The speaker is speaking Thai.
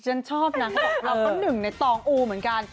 ฉันชอบนะเขาบอกเราก็หนึ่งในตองอูเหมือนกัน